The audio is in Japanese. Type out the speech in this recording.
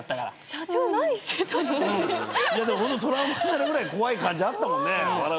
社長何してたの⁉ホントトラウマになるぐらい怖い感じあったもんね。